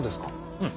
うん。